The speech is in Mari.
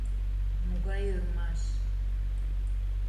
— Могай ӧрмаш!